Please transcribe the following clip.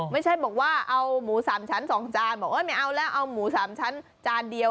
ไม่ใช่บอกว่าเอาหมู๓ชั้น๒จานบอกว่าไม่เอาแล้วเอาหมู๓ชั้นจานเดียว